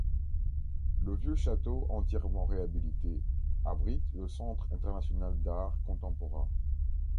Le vieux château entièrement réhabilité abrite le centre international d'art contemporain.